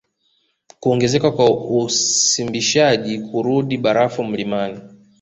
Kuongezeka kwa usimbishaji kurudi barafu mlimani